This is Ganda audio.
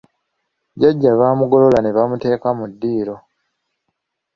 Jjajja baamugolola ne bamuteeka mu ddiiro.